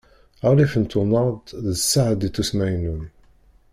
aɣlif n twennaḍt d ṣṣehd ittusmaynun